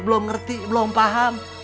belum ngerti belum paham